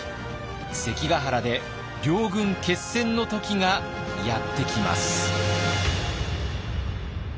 関ヶ原で両軍決戦の時がやってきます。